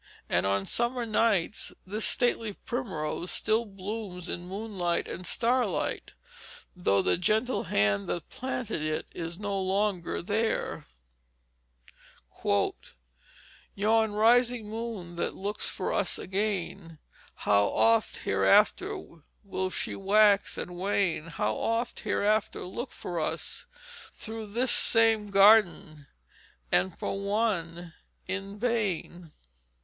And on summer nights this stately primrose still blooms in moonlight and starlight, though the gentle hand that planted it is no longer there: "Yon rising Moon that looks for us again How oft hereafter will she wax and wane How oft hereafter look for us Through this same Garden and for one in vain."